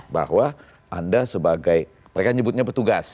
bahwa anda sebagai mereka nyebutnya petugas